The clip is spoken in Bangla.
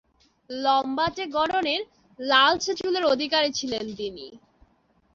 লম্বাটে গড়নের লালচে চুলের অধিকারী ছিলেন তিনি।